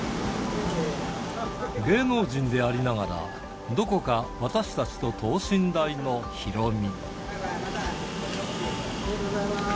芸能人でありながら、どこか私たちと等身大のヒロミ。